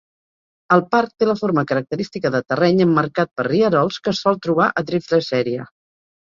El parc té la forma característica de terreny emmarcat per rierols que es sol trobar a Driftless Area.